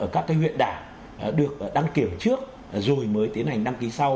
các cái huyện đảng được đăng kiểm trước rồi mới tiến hành đăng ký sau